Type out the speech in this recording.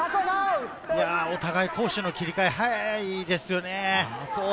お互い、攻守の切り替えが速いですよね。